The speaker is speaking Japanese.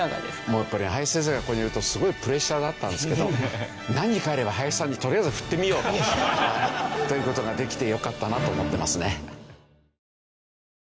もうやっぱり林先生がここにいるとすごいプレッシャーがあったんですけど何かあれば林さんにとりあえず振ってみようと。という事ができてよかったなと思ってますね。